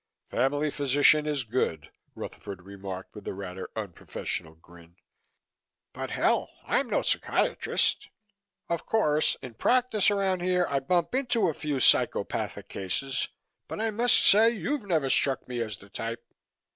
"Family physician is good," Rutherford remarked with a rather unprofessional grin. "But hell! I'm no psychiatrist. Of course, in practice around here I bump into a few psychopathic cases but I must say you've never struck me as the type."